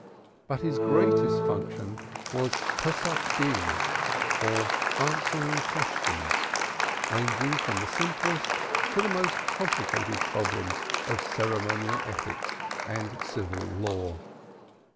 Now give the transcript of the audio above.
But his greatest function was paskening, or answering inquiries ranging from the simplest to the most complicated problems of ceremonial ethics and civil law.